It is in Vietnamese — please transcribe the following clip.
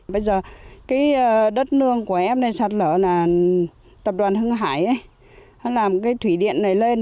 bây giờ cái đất nương của em này sạt lở là tập đoàn hưng hải làm cái thủy điện này lên